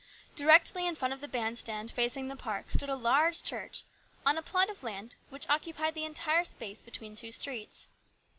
Directly in front of the band stand, facing the park, stood a large church on a plot of land which occupied the entire space between two streets.